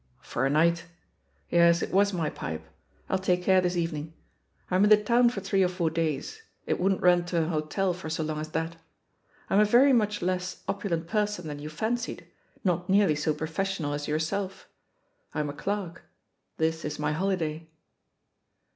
"For a night. Yes, it was my pipe; I'll take care this evening. I'm in the town for three or four days — it wouldn't run to an hotel for so long as that. I'm a very much less opulent per son than you fancied, not nearly so professional as yourself. I'm a clerk — ^this is my holiday."